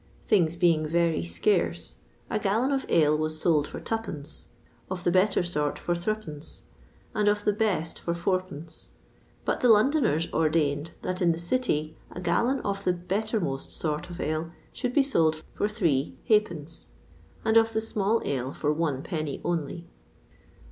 things being very scarce, a gallon of ale was sold for twopence, of the better sort for threepence, and of the best for fourpence; but the Londoners ordained that, in the City, a gallon of the bettermost sort of ale should be sold for three halfpence, and of the small ale for one penny only.